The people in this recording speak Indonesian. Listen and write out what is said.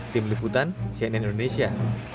tim liputan cnn indonesia